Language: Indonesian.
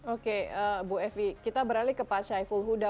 oke bu evi kita beralih ke pak syaiful huda